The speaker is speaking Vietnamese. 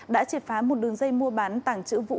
đã triệt phá một đường dây mua bán tảng trữ vũ